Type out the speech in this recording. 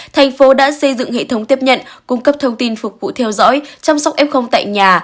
thành phố đã xây dựng hệ thống tiếp nhận cung cấp thông tin phục vụ theo dõi chăm sóc f tại nhà